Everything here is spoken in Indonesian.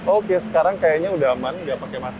oke sekarang kayaknya udah aman udah pake masker